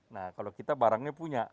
nah kalau kita barangnya punya